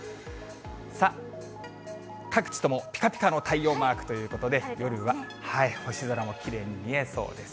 さあ、各地ともぴかぴかの太陽マークということで、夜は星空もきれいに見えそうです。